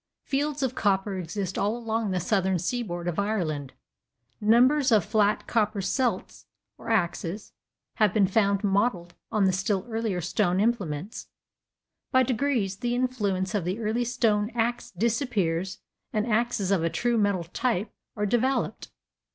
Fields of copper exist all along the southern seaboard of Ireland. Numbers of flat copper celts, or axes, have been found modelled on the still earlier stone implements. By degrees the influence of the early stone axe disappears and axes of a true metal type are developed.